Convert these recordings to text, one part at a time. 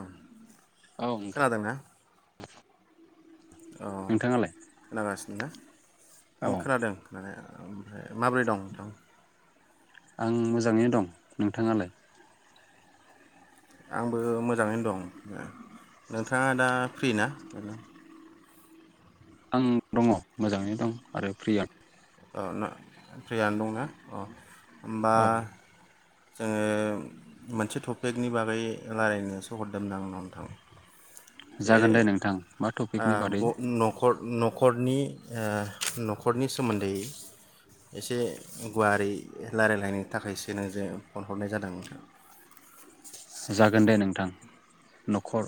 ओं औ नोंथां खोनादोंना? अ नोंथाङालाय खोनागासिनो ना औ आं खोनादों खोनानाया ओमफ्राय माबोरै दं नोंथां? आं मोजाङैनो दं नोंथाङालाय आंबो मोजाङैनो दं नोंथाङा दा फ्रि ना आं दङ मोजाङै दं आरो फ्रियानो [unintelligible] औ ना फ्रियानो दंना? अ। होनबा औ जोङो मोनसे टपिकनि बागै रायल्लायनोसो हरदोमोन आं नोंनाव नोंथां। जे जागोन दे नोंथां। मा टपिकनि बादै? ओ न'खर न'खरनि न'खरनि सोमोन्दै एसे गुवारै रायलायलायनो थाखायसो नोंजों फन हरनाय जादोंमोन होगोन दे नोंथां न'खर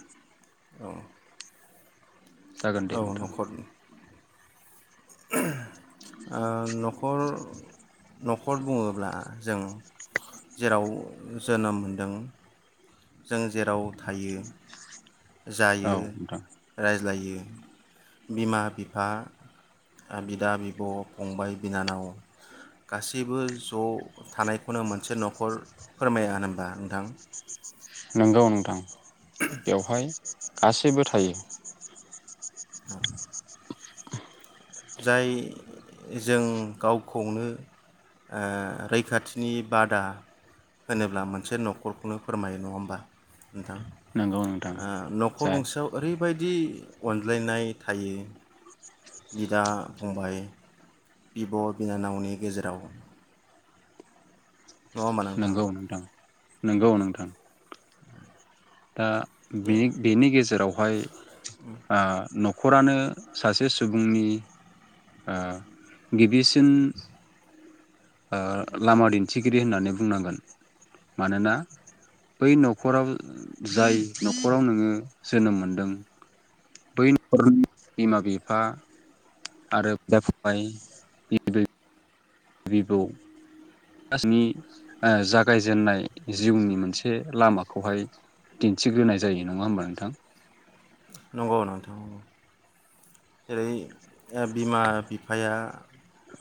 औ जागोन दे औ नोंथां न'खरनि ओ न'खर न'खर बुङोब्ला जों जेराव जोनोम मोनदों जों जेराव थायो औ जायो नोंथां रायज्लायो बिमा बिफा बिदा बिब' फंबाय बिनानाव गासैबो ज' थानायखौनो मोनसे न'खर फोरमाया होनबा नोंथां नंगौ नोंथां बेवहाय गासैबो थायो आ [unintelligible] जाय जों गावखौनो ओ रैखाथिनि बादा होनोब्ला मोनसे न'खरखौनो फोरमायो नङा होमबा नोंथां नंगौ नोंथां ओ न'खर जाय गंसेयाव ओरै बायदि अनज्लायनाय थायो। बिदा फंबाय बिब' बिनानावनि गेजेराव नङा होमबा नोंगौ नोंथां नोंगौ नोंथां। दा बेनि गेजेरावहाय खरानो सासे सुबुंनि ओ गिबिसिन ओ लामा दिन्थिगिरि होननानै बुंनांगोन मानोना बै न'खराव जाय न'खराव नोङो जोनोम मोनदों बै [inaudible] बिमा बिफा आरो बिदा फंबाय बिबै बिबौ गासिनि ओ जागायजेन्नाय जिउनि मोनसे लामाखौहाय दिन्थिग्रोनाय जायो। नङा होमबा नोंथां? नंगौ नोंथां नंगौ। जेरै ओ बिमा बिफाया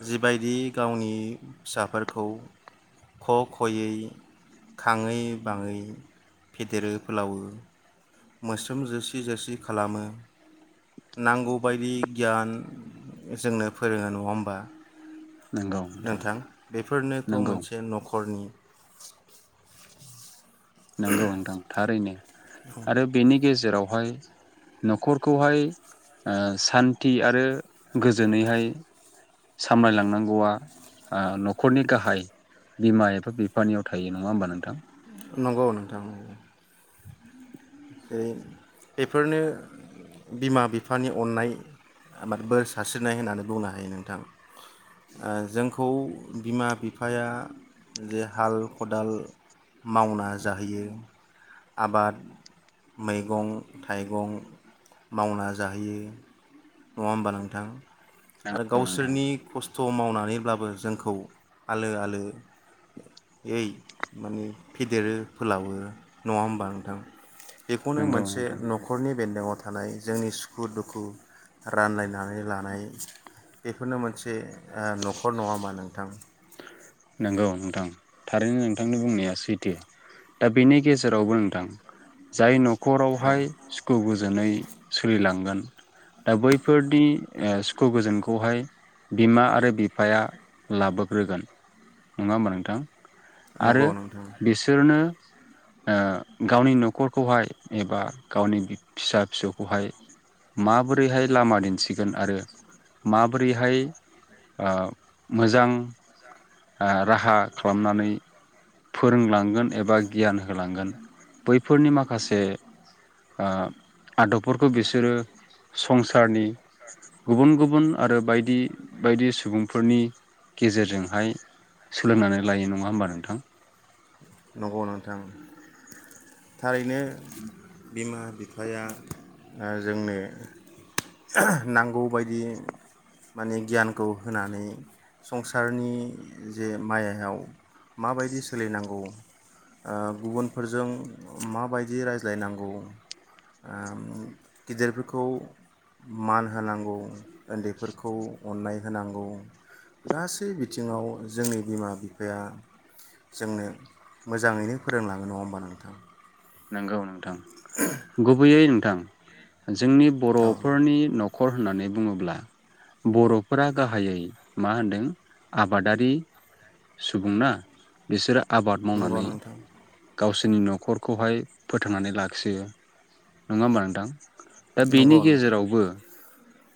जिबायदि गावनि फिसाफोरखौ ख' खयै खाङै बाङै फेदेरो फोलावो मोस्रोम जोसि जोसि खालामो नांगौबायदि गियान जोंनो फोरोङो नङा होमबा नोंथां बेफोरनोथ' नंगौ मोनसे न'खरनि नोंगौ नोंथां थारैनो। आरो बेनि गेजेरावहाय न'खरखौहाय ओ सान्थि आरो गोजोनैहाय सामलायलांनांगौआ ओ न'खरनि गाहाय बिमा एबा बिफानियाव थायो। नङा होमबा नोंथां? नंगौ नोंथां उम जे बेफोरनो बिमा बिफानि अननाय आबाद बोर सारस्रिनाय होननानै बुंनो हायो नोंथां ओ जोंखौ बिमा बिफाया जे हाल खदाल मावना जाहैयो आबाद मैगं थाइगं मावना जाहोयो। नङा होमबा नोंथां? आरो नंगौ नोंथां गावसोरनि खस्थ' थ' मावनानैब्लाबो जोंखौ आलो आलो योय माने फेदेरो फोलावो। नङा होमबा नोंथां? बेखौनो नंगौ मोनसे नोंथां न'खरनि बेन्दोंयाव थानाय जोंनि सुखु दुखु रानलायनानै लानाय बेफोरनो मोनसे ओ न'खर नङा होमा नोंथां? नोंगौ नोंथां। थारैनो नोंथांनि बुंनाया सै दि दा बिनि गेजेरावबो नोंथां जाय न' औ खरावहाय सुखु गोजोनै सोलिलांगोन दा बैफोरनि ओ सुखु गोजोनखौहाय बिमा आरो बिफाया लाबोग्रोगोन। नोङा होमबा नोंथां? आरो नंगौ नोंथां बिसोरनो ओ गावनि न'खरखौहाय एबा गावनि फिसा फिसौखौहाय मा बोरैहाय लामा दिनथिगोन आरो माबोरैहाय आ मोजां आ राहा खालामनानै फोरोंलांगोन एबा गियान होलांगोन बैफोरनि माखासे ओ आदबफोरखौ बिसोरो संसारनि गुबुन गुबुन आरो बायदि बायदि सुबुंफोरनि गेजेरजोंहाय सोलोंनानै लायो नङा होमबा नोंथां? नंगौ नोंथां थारैनो बिमा बिफाया ओ जोंनो नांगौबायदि माने गियानखौ होनानै संसारनि जे माइहेव माबायदि सोलिनांगौ ओ गुबुनफोरजों माबायदि रायज्लायनांगौ ओम गिदिरफोरखौ मान होनांगौ ओन्दैफोरखौ अननाय होनांगौ गासै बिथिङाव जोंनि बिमा बिफाया जोंनो मोजाङैनो फोरोंलाङो नङा होमबा नोंथां नोंगौ नोंथां। गुबैयैन थां जोंनि औ बर'फोरनि न'ख खर होननानै बुङोब्ला बर'फोरा गाहायै मा होनदों आबादारि सुबुं ना बिसोरा आबाद नंगौ मावनानै नोंथां गावसोरनि न'खरखौहाय फोथांनानै लाखियो। नङा होमबा नोंथां? दा बिनि नंगौ नोंथां गेजेरावबो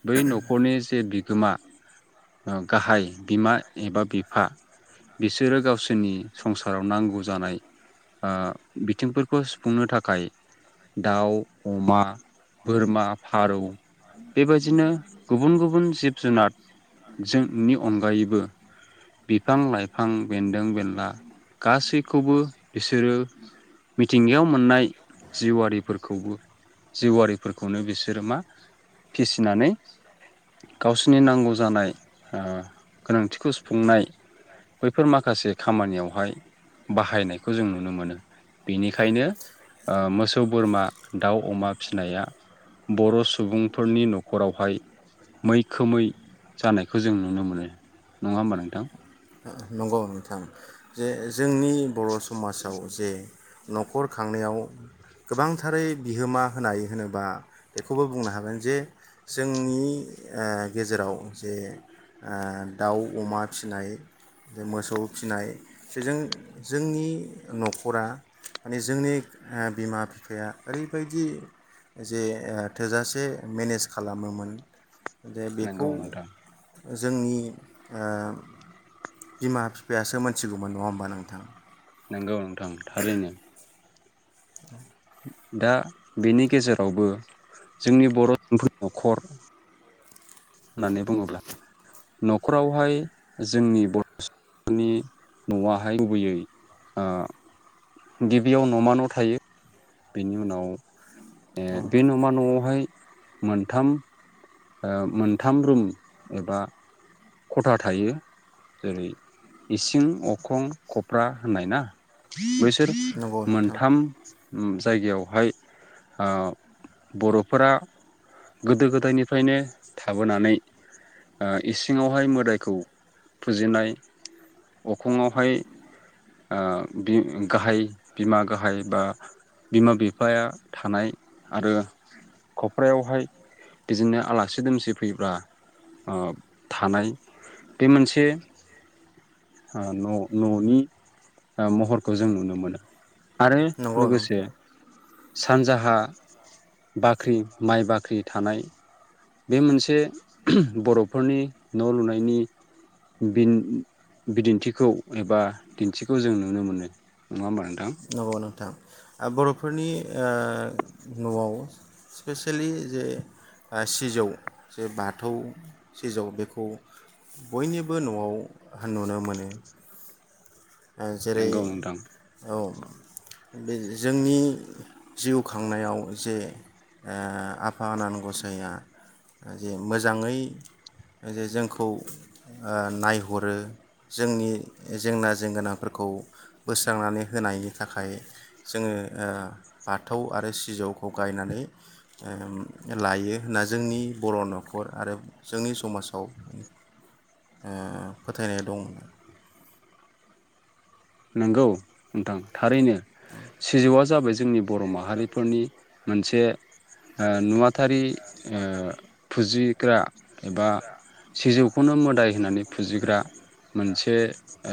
बै न'खरनि जे बि गोमा ओ गाहाय बिमा एबा बिफा बिसोरो गावसोरनि संसाराव नांगौ जानाय आ बिथिंफोरखौ सुफुंनो थाखाय दाउ, अमा, बोरमा, फारौ बेबायदिनो गुबुन गुबुन जिब जुनाद जोंनि अनगायैबो बिफां-लाइफां, बेन्दों-बेनला गासै खौबो बो‌ मिथिंगायाव मोननाय जिउरिफोरखौबो जिउआरिफोरखौनो बिसोरो मा फिसिनानै गावसिनि नांगौ जानाय ओ गोनांथिखौ सुफुंनाय बैफोर माखासे खामानियावहाय बाहायनाय खौ जों नुनो मोनो बिनिखायनो ओ मोसौ बोरमा दाउ अमा फिनाया बर' सुबुंफोरनि न'खरावहाय मैखोमै जानायखौ जों नुनो मोनो। नङा होमबा नोंथां? आ नंगौ नोंथां जे जोंनि बर' समासाव जे न'खर खांनायाव गोबांथारै बिहोमा होनाय होनोबा बेखौबो बुंनो हागोन जे जोंनि ओ गेजेराव जे आ दाउ अमा फिनाय जे मोसौ फिनाय जेजों जोंनि न'खरा माने जोंनि ओ बिमा बिफाया ओरैबायदि जे ओ थोजासे मेनेस खालामोमोन दे नंगौ बेखौ नोंथां जोंनि ओ बिमा बिफायासो मोनथिगौमोन नङा होमबा नोंथां नंगौ नोंथां थारैनो औ दा बेनि गेजेरावबो जोंनि बर'फोर न'खर होननानै बुङोब्ला न'खरावहाय जोंनि बर'नि न'आहाय गुबैयै ओ गिबियाव न'मा न' थायो बेनि उनाव बे न'मा न'आवहाय मोनथाम ओ मोनथाम रुम एबा खथा थायो जेरै इसिं अखं खब्रा होननाय ना बैसोर नंगौ नोंथां मोनथाम उ जायगायावहाय ओ बर'फोरा गोदो गोदायनिफ्रायनो थाबोनानै ओ इ सिङावहाय मोदायखौ फुजिनाय अखङावहाय ओ गाहाय बिमा गाहाय बा बिमा बिफाया थानाय आरो खफ्रायावहाय बिदिनो आलासि दुमसि फैब्ला ओ थानाय बे मोनसे ओ न' न'नि महरखौ जों नुनो मोनो आरो नंगौ लोगोसे नोंथां सानजाहा बाख्रि माइ बाख्रि थानाय बे मोनसे बर' फोरनि न' लुनायनि बिन बिदिन्थिखौ एबा दिन्थिखौ जों नुनो मोनो नङा होनबा नंगौ नोंथां बर'फोरनि ओ न'आव स्पेसियेलि जे सिजौ जे बाथौ सिजौ बेखौ बयनिबो न'आव नुनो मोनो जेरै नंगौ नोंथां औ बे जोंनि जिउ खांनायाव जे ओ आफा आनान गसायआ जे मोजाङै जे जोंखौ ओ नायहरो जोंनि जेंना जेंगोनांफोरखौ बोस्रांनानै होनायनि थाखाय जोङो ओ बाथौ आरो सिजौखौ गायनानै लायो होनना जोंनि बर' न'खर आरो जोंनि समाजाव ओ फोथायनाय दं होनना नंगौ नोंथां थारैनो सिजौआ जाबाय जोंनि बर' माहारिफोरनि मोन [unintelligible] ओ नुवाथारि ओ फुजिग्रा एबा सिजौखौनो मोदाय होनानै फुजिग्रा मोनसे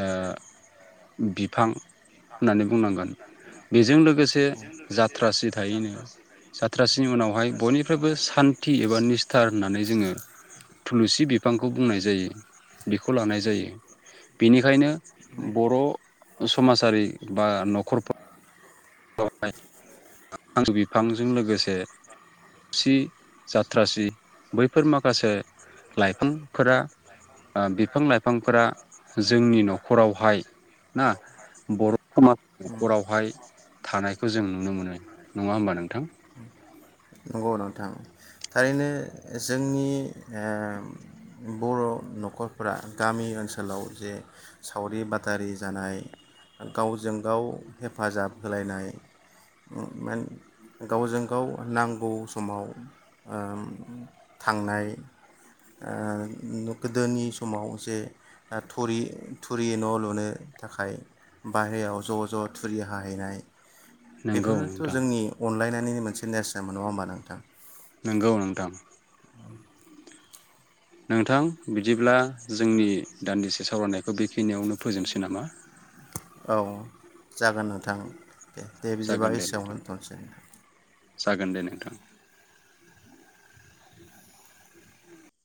ओ बिफां होननानै बुंनांगोन बेजों लोगोसे जाथ्रासि थायोनो जाथ्रासि बेवहाय बयनिफ्रायबो सान्थि एबा निस्थार होननानै जोङो थुलुसि बिफांखौ बुंनाय जायो बेखौ लानाय जायो बेनिखायनो बर' समाजारि बा न'खर [inaudible] बिफांजों लोगोसे सि जाथ्रासि बैफोर माखासे लाइफांफोरा ओ बिफां लाइफांफोरा जोंनि न'खरावहाय ना बर' समाजनि न'खरावहाय थानायखौ जों नुनो मोनो नङा होमबा नोंथां नंगौ नोंथां थारैनो जोंनि ओ बर' न'खरफोरा गामि ओनसोलाव जे सावरि बादारि जानाय गावजों गाव हेफाजाब होलायनाय मोन गावजों गाव नांगौ नांगौ समाव ओ थांनाय ओ गोदोनि समाव जे थुरि थुरि न' लुनो थाखाय बाहेरायाव ज' ज' थुरि हाहैनाय नंगौ बेफोरनोथ' नोंथां जोंनि अनलायनानैनो मोन सिनेस मोन नङा होमबा नोंथां नोंगौ नोंथां नोंथां बिदिब्ला जोंनि दान्दिसे सावरायनायखौ बेखिनियावनो फोजोबनोसै नामा? औ जागोन नोंथां दे दे बिदिबा जागोन दे इसियावनो नोंथां दोनथ'नोसै जागोन दे नोंथां